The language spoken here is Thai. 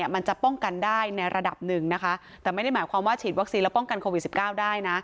มันจะป้องกันได้ในระดับหนึ่งนะคะแต่ไม่ได้หมายความว่าฉีดวัคซีนแล้วป้องกันโควิด๑๙ได้นะ